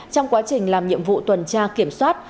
trong quá trình làm nhiệm vụ tuần tra kiểm soát